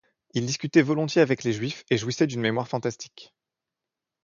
Il discutait volontiers avec les Juifs, et jouissait d'une mémoire fantastique.